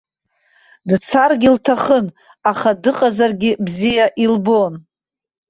Дцаргьы лҭахын, аха дыҟазаргьы бзиа илбон.